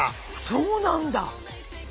そうなんだ！